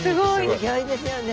すギョいですよね。